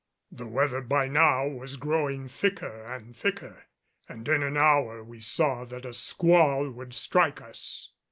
The weather by now was growing thicker and thicker, and in an hour we saw that a squall would strike us.